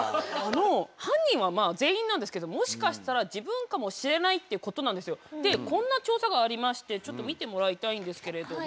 犯人はまあ全員なんですけどもしかしたら自分かもしれないっていうことなんですよ。でこんな調査がありましてちょっと見てもらいたいんですけれども。